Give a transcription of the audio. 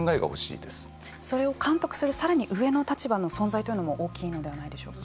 それを監督するさらに上の立場の存在も大きいのではないでしょうか。